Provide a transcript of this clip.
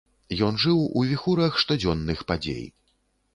Ён жыў у віхурах штодзённых падзей.